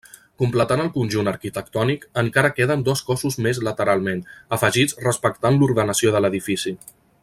Completant el conjunt arquitectònic encara queden dos cossos més lateralment, afegits respectant l'ordenació de l'edifici.